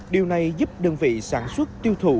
điều này giúp đơn vị sản xuất tiêu thụ